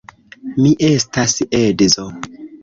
Mi estas edzo.